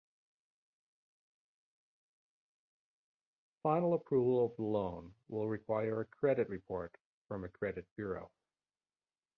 Final approval of the loan will require a credit report from a credit bureau.